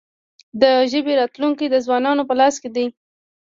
د ژبې راتلونکې د ځوانانو په لاس کې ده.